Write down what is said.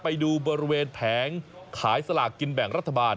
ไปดูบริเวณแผงขายสลากกินแบ่งรัฐบาล